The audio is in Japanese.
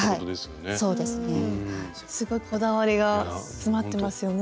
すごいこだわりが詰まってますよね。